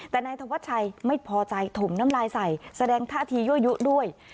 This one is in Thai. แต่นายธวัชชัยไม่พอใจถมน้ำลายใส่แสดงท่าทียั่วยุด้วย